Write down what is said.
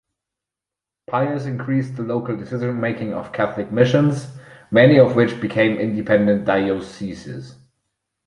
Pius increased the local decision-making of Catholic missions, many of which became independent dioceses.